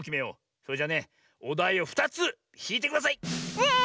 それじゃねおだいを２つひいてください！スイ！